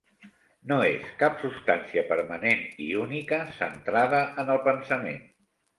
No és cap substància permanent i única centrada en el pensament.